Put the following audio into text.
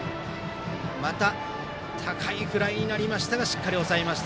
また高いフライになりましたがしっかり押さえました。